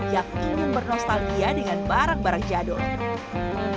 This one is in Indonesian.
yang ingin bernostalgia dengan barang barang jadon